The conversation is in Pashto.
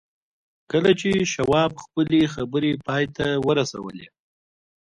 کله چې شواب خپلې خبرې پای ته ورسولې